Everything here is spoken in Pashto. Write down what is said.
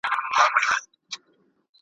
سر افسر د علم پوهي پر میدان وو ,